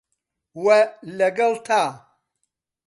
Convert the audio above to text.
وه لەگەڵ تا